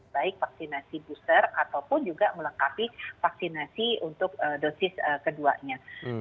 baik vaksinasi booster ataupun juga melengkapi vaksinasi untuk dosis keduanya